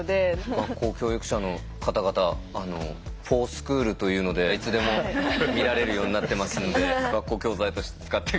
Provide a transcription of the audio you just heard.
学校教育者の方々「ｆｏｒＳｃｈｏｏｌ」というのでいつでも見られるようになってますんで学校教材として使って下さい。